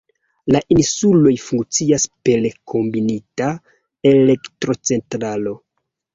La insuloj funkcias per kombinita elektrocentralo.